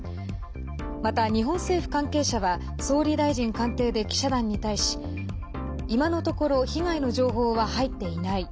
また、日本政府関係者は総理大臣官邸で記者団に対し今のところ被害の情報は入っていない。